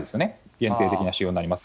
限定的な使用になります。